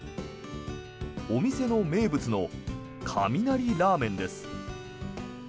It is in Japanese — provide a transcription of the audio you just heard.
お店の名物の雷ラーメンです。